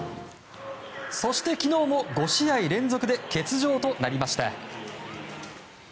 そして、昨日も５試合連続で欠場となりました。